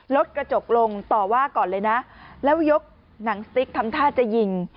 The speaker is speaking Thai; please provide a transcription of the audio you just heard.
รถกระจกลงต่อว่าก่อนเลยนะแล้วยกหนังสติ๊กทำท่าจะยิง